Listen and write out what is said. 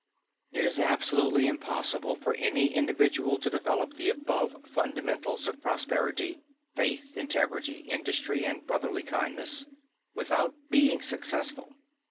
It is absolutely impossible for any individual to develop the above fundamentals of prosperity, faith, integrity, industry and brotherly kindness without being successful.